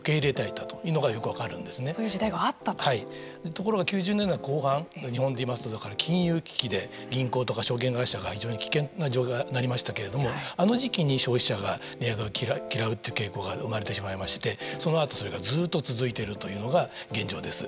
ところが９０年代の後半日本でいいますと、金融危機で銀行とか証券会社が非常に危険な状態になりましたけれどもあの時期に消費者が値上げを嫌うっていう傾向が生まれてしまいましてそのあと、それがずっと続いているというのが現状です。